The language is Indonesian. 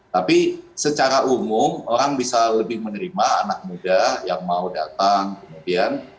tapi secara umum orang bisa lebih menerima anak muda yang mau datang kemudian